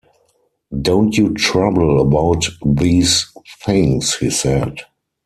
“Don’t you trouble about these things,” he said.